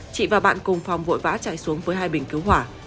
chị và bạn cùng phòng vội vã chạy xuống với hai bình cứu hỏa